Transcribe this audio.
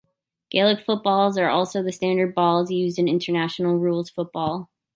Gaelic footballs are also the standard balls used in international rules football.